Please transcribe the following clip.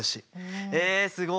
えすごい！